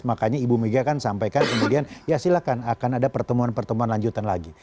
makanya ibu mega kan sampaikan kemudian ya silakan akan ada pertemuan pertemuan lanjutan lagi